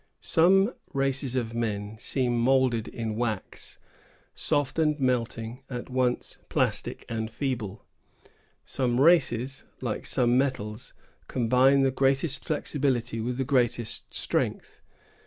Some races of men seem moulded in wax, soft and melting, at once plastic and feeble. Some races, like some metals, combine the greatest flexibility with the greatest strength.